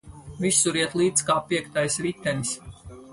Visur iet līdz kā piektais ritenis.